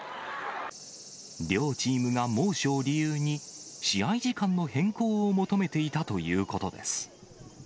両チームが猛暑を理由に、試合時間の変更を求めていたということです。